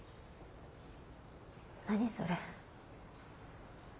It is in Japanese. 何それ。